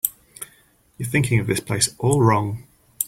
You're thinking of this place all wrong.